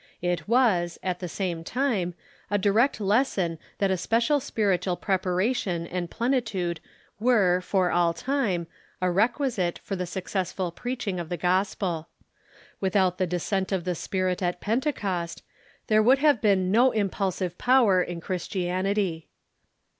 It was, at the same time, a direct lesson that a special spiritual preparation and plenitude were, for all time, a requisite for the successful preaching of the gosjjel. Without the descent of the Spirit at Pentecost there would have been no impulsive power in Christianity.